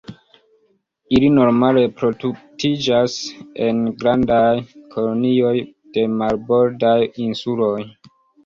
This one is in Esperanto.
Ili normale reproduktiĝas en grandaj kolonioj de marbordaj insuloj.